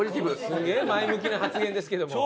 すげえ前向きな発言ですけども。